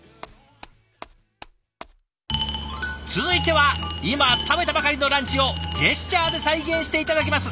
続いては今食べたばかりのランチをジェスチャーで再現して頂きます。